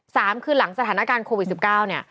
สามคือหลังสถานการณ์โควิด๑๙เนี่ย